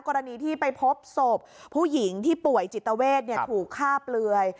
กรณีที่ไปพบศพผู้หญิงที่ป่วยจิตเวทถูกฆ่าเปลือย